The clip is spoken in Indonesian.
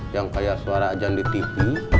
yang kayak suara ajan di tv